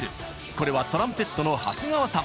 これはトランペットの長谷川さん。